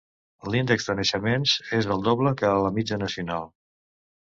L"índex de naixements és el doble que la mitja nacional.